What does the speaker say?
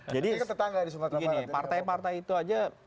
jadi partai partai itu saja